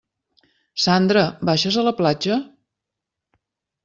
Sandra, baixes a la platja?